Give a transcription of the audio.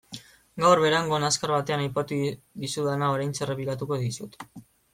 Gaur Berangon azkar batean aipatu dizudana oraintxe errepikatuko dizut.